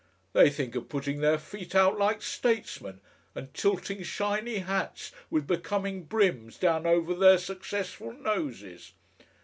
They think of putting their feet out like statesmen, and tilting shiny hats with becoming brims down over their successful noses.